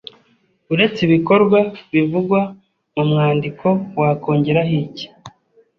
Uretse ibikorwa bivugwa mu mwandiko wakongeraho iki